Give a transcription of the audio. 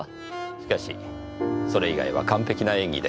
しかしそれ以外は完璧な演技でした。